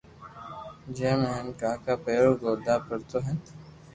جي ۾ ھين ڪاڪا ڀيرو گونا ڀرتو ھين